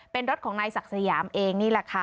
เป็นรถของนายศักดิ์สยามเองนี่แหละค่ะ